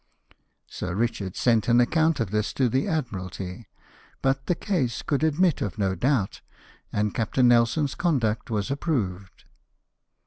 Sir Ricliard sent an ac count of this to the Admiralty ; but the case could admit of no doubt, and Captain Nelson's conduct was approved.